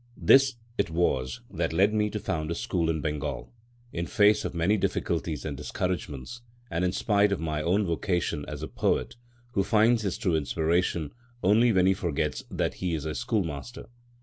This it was that led me to found a school in Bengal, in face of many difficulties and discouragements, and in spite of my own vocation as a poet, who finds his true inspiration only when he forgets that he is a schoolmaster.